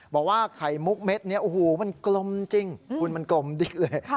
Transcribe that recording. บอกว่าไข่มุกเม็ดนี้โอ้โหมันกลมจริงคุณมันกลมดิเลย